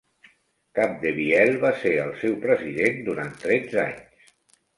Capdevielle va ser el seu president durant tretze anys.